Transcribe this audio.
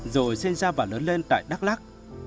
rồi sinh ra và lớn lên tại đắk lắc